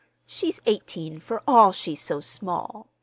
She's eighteen, for all she's so small.